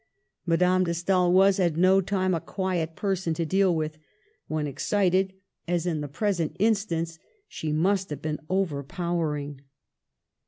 Madame de Stael was at no time a quiet person to deal with ; when excited, as in the present instance, she must have been overpowering.